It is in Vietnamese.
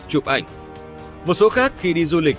chụp ảnh một số khác khi đi du lịch